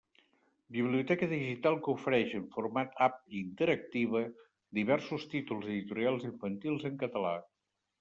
Biblioteca digital que ofereix en format app interactiva diversos títols editorials infantils en català.